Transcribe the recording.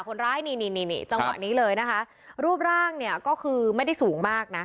คนร้ายนี่นี่จังหวะนี้เลยนะคะรูปร่างเนี่ยก็คือไม่ได้สูงมากนะ